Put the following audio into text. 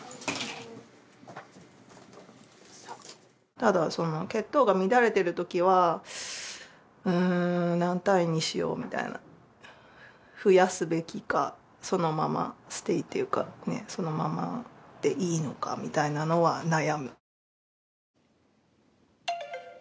ただ血糖が乱れているときはうーん何単位にしようみたいな増やすべきかそのままステイっていうかそのままでいいのかみたいなのは悩む。